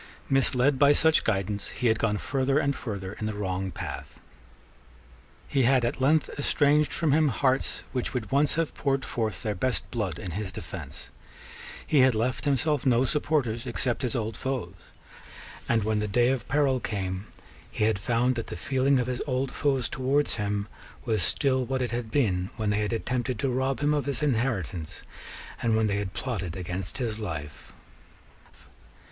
Misled by such guidance, he had gone further and further in the wrong path: he had at length estranged from him hearts which would once have poured forth their best blood in his defence: he had left himself no supporters except his old foes; and, when the day of peril came, he had found that the feeling of his old foes towards him was still what it had been when they had attempted to rob him of his inheritance, and when they had plotted against his life.